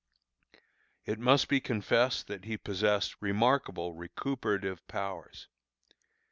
It must be confessed that he possessed remarkable recuperative powers.